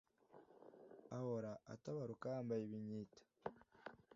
ahora atabaruka yambaye ibinyita